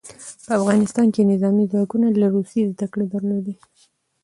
په افغانستان کې نظامي ځواکونه له روسیې زدکړې درلودې.